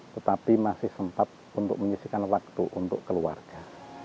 tetapi masih sempat untuk menyisikan waktu untuk keluarga